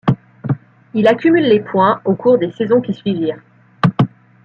Il accumule les points aux cours des saisons qui suivirent.